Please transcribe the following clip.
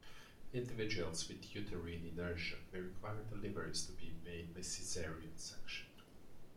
Individuals with uterine inertia may require deliveries to be made by Caesarean section.